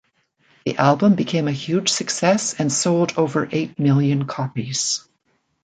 The album became a huge success and sold over eight million copies.